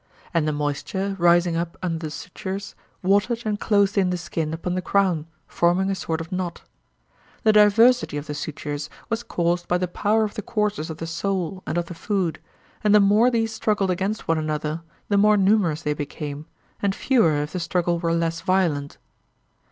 And the moisture, rising up under the sutures, watered and closed in the skin upon the crown, forming a sort of knot. The diversity of the sutures was caused by the power of the courses of the soul and of the food, and the more these struggled against one another the more numerous they became, and fewer if the struggle were less violent.